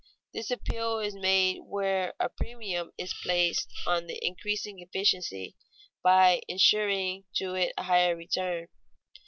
This appeal is made where a premium is placed on increasing efficiency, by insuring to it a higher return.